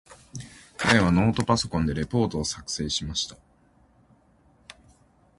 彼はノートパソコンでレポートを作成しました。